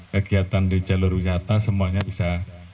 kegiatan di jalur wisata semuanya bisa